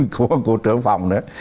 của cụ trưởng phòng nữa